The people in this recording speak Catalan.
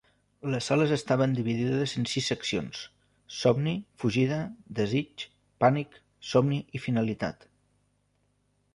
Les sales estaven dividides en sis seccions: somni, fugida, desig, pànic, somni i finalitat?